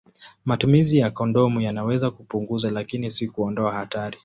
Matumizi ya kondomu yanaweza kupunguza, lakini si kuondoa hatari.